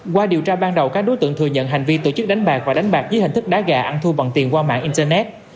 qua điều tra ban đầu các đối tượng thừa nhận hành vi tổ chức đánh bạc và đánh bạc dưới hình thức đá gà ăn thu bằng tiền qua mạng internet